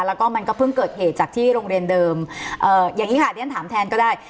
แล้วก็มันก็เพิ่งเกิดเหตุจากที่โรงเรียนเดิมอย่างนี้ค่ะเรียนถามแทนก็ได้